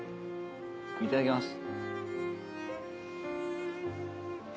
いただきます。